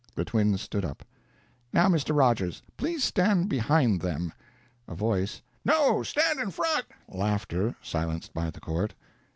The twins stood up. "Now, Mr. Rogers, please stand behind them." A Voice: "No, stand in front!" (Laughter. Silenced by the court.)